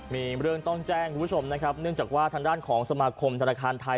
มีเรื่องต้องแจ้งคุณผู้ชมนะครับเนื่องจากว่าทางด้านของสมาคมธนาคารไทย